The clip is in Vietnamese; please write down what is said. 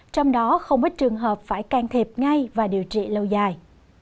trong đó không ít trường hợp phải can thiệp ngay và điều trị lâu dài